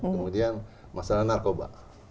kemudian masalah narkoba